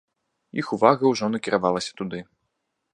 Іх увага ўжо накіравалася туды.